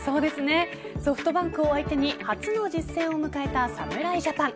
ソフトバンクを相手に初の実戦を迎えた侍ジャパン。